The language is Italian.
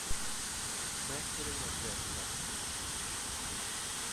Mettere una zeppa.